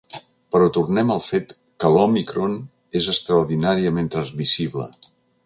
Però tornem al fet que l’òmicron és extraordinàriament transmissible.